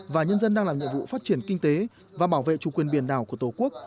và nhân dân đang làm nhiệm vụ phát triển kinh tế và bảo vệ chủ quyền biển đảo của tổ quốc